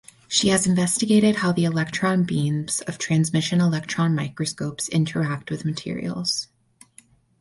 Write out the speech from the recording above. She has investigated how the electron beams of transmission electron microscopes interact with materials.